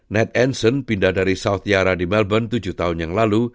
nat anson pindah dari southiara di melban tujuh tahun yang lalu